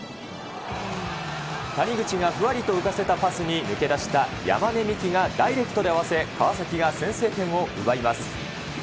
谷口がふわりと浮かせた、パスに、抜け出した山根視来がダイレクトで合わせ、川崎が先制点を奪います。